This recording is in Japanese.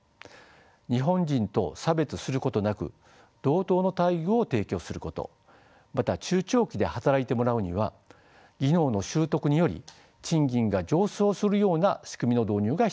日本人と差別することなく同等の待遇を提供することまた中長期で働いてもらうには技能の習得により賃金が上昇するような仕組みの導入が必要です。